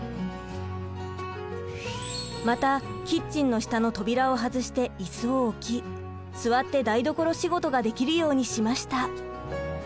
またキッチンの下の扉を外してイスを置き座って台所仕事ができるようにしました。